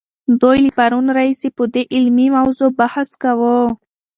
دوی له پرون راهیسې په دې علمي موضوع بحث کاوه.